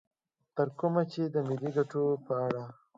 تر کومه چې د ملي ګټو په اړه